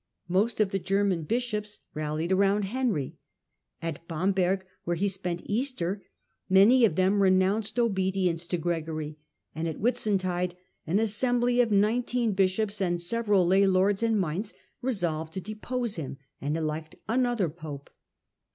Most of the German bishops rallied round Henry^At Bamberg, where he spent Easter, many of them renounced obedience to Gregory, and at Whitsuntide an assembly of nineteen bishops and several lay lords in Mainz resolved to depose him and elect another pope.